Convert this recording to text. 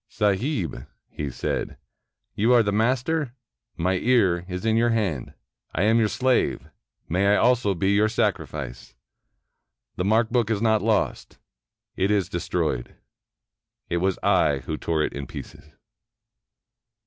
"Sahib," he said, "you are the master; my ear is in your hand ; I am your slave ; may I be also your sacrifice ! The mark book is not lost; it is destroyed. It was I who tore it in pieces."